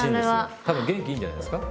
多分元気いいんじゃないですか？